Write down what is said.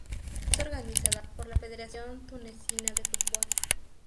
Es organizada por la Federación Tunecina de Fútbol.